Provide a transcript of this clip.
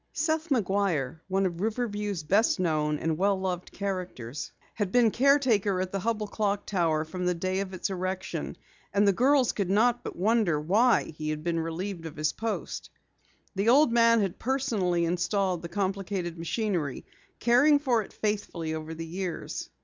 Seth McGuire, one of Riverview's best known and well loved characters, had been caretaker at the Hubell Clock Tower from the day of its erection, and the girls could not but wonder why he had been relieved of his post. The old man had personally installed the complicated machinery, caring for it faithfully over the years.